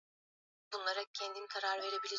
Maandishi yake yanaonekana kwa umbali.